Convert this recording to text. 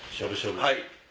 はい。